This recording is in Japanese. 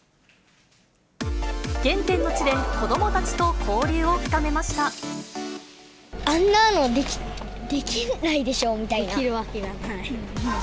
原点の地で子どもたちと交流あんなのできないでしょうみできるわけがない。